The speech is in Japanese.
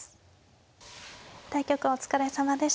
対局お疲れさまでした。